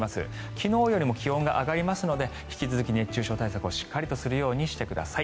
昨日よりも気温が上がりますので引き続き熱中症対策をしっかりとするようにしてください。